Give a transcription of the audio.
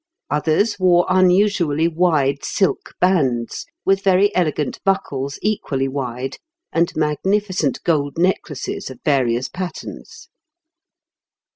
Others wore unusually wide silk bands, with very elegant buckles equally wide, and magnificent gold necklaces of various patterns.